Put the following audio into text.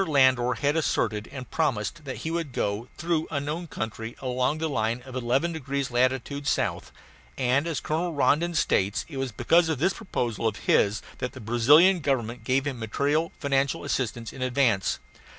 Landor had asserted and promised that he would go through unknown country along the line of eleven degrees latitude south, and, as Colonel Rondon states, it was because of this proposal of his that the Brazilian Government gave him material financial assistance in advance.